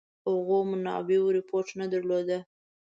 هغو منابعو رپوټ نه درلوده.